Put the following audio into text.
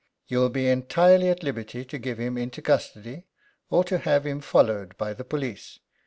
You will be entirely at liberty to give him into custody, or to have him followed by the police.